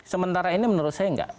sementara ini menurut saya enggak